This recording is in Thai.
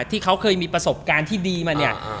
ที่เขาเคยมีประสบการณ์ที่ดีมาเนี่ย